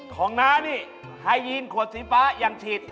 ของนะนี่ไฮจีนขวดสีฟ้ายังฉีด